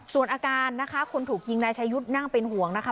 ส่วนอาการนะคะคนถูกยิงนายชายุทธ์นั่งเป็นห่วงนะคะ